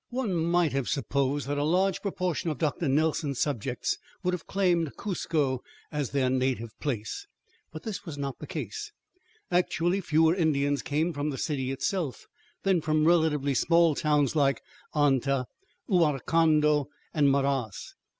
One might have supposed that a large proportion of Dr. Nelson's subjects would have claimed Cuzco as their native place, but this was not the case. Actually fewer Indians came from the city itself than from relatively small towns like Anta, Huaracondo, and Maras.